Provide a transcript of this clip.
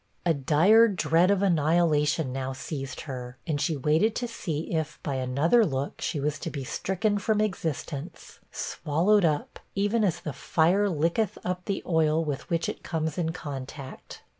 A dire dread of annihilation now seized her, and she waited to see if, by 'another look,' she was to be stricken from existence, swallowed up, even as the fire licketh up the oil with which it comes in contact.